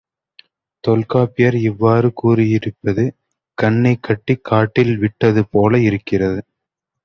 தொல்காப்பியர் இவ்வாறு கூறியிருப்பது, கண்ணைக் கட்டிக் காட்டில் விட்டது போல இருக்கிறது.